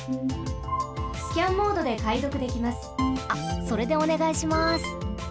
あっそれでおねがいします。